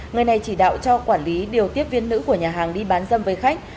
người này chỉ đạo cho quản lý điều tiếp viên nữ của nhà hàng đi bán dâm với khách